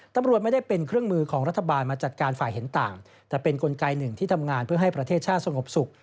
ตำรวจไม่ได้เป็นเครื่องมือของรัฐบาลมาจัดการฝ่ายเห็นต่างแต่เป็นกลไกหนึ่งที่ทำงานเพื่อให้ประเทศชาติสงบสุข